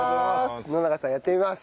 野永さんやってみます。